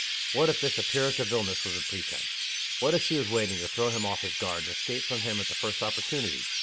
What, if this appearance of illness was a pretense? What, if she was waiting to throw him off his guard, and escape from him at the first opportunity?